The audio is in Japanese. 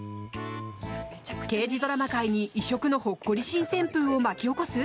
刑事ドラマ界に異色のほっこり新旋風を巻き起こす？